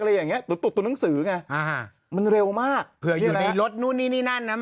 อะไรอย่างเงี้ตุ๋นตุดตัวหนังสือไงอ่าฮะมันเร็วมากเผื่ออยู่ในรถนู่นนี่นี่นั่นนะ